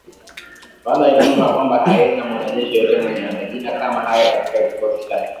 Rwanda inasema kwamba haina mwanajeshi yeyote mwenye majina kama hayo katika kikosi chake